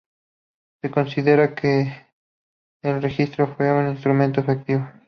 Se considera que el registro fue un instrumento efectivo.